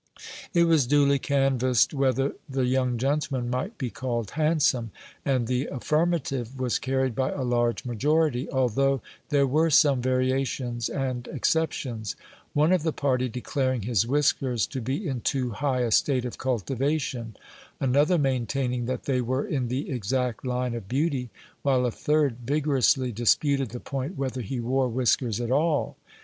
It was duly canvassed whether the young gentleman might be called handsome, and the affirmative was carried by a large majority, although there were some variations and exceptions; one of the party declaring his whiskers to be in too high a state of cultivation, another maintaining that they were in the exact line of beauty, while a third vigorously disputed the point whether he wore whiskers at all.